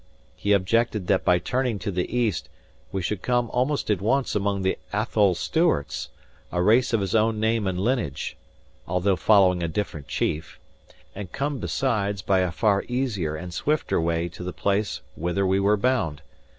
He objected that by turning to the east, we should come almost at once among the Athole Stewarts, a race of his own name and lineage, although following a different chief, and come besides by a far easier and swifter way to the place whither we were bound.